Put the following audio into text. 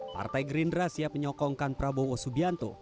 partai gerindra siap menyokongkan prabowo subianto